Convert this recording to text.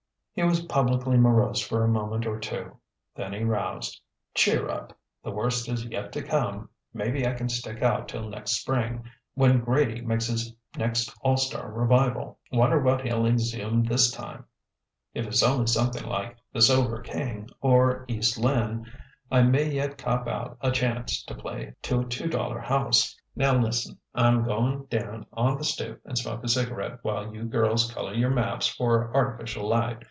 He was publicly morose for a moment or two. Then he roused: "Cheer up! The worst is yet to come. Maybe I can stick out till next spring, when Grady makes his next all star revival. Wonder what he'll exhume this time? If it's only something like 'The Silver King,' or 'East Lynne,' I may yet cop out a chance to play to a two dollar house.... Now, lis'n: I'm going down on the stoop and smoke a cigarette while you girls colour your maps for artificial light.